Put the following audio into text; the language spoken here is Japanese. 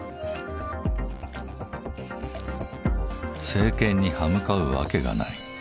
政権に刃向かうわけがない。